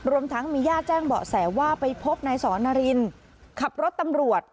รวมทั้งมีญาติแจ้งเบาะแสว่าไปพบนายสอนนารินขับรถตำรวจ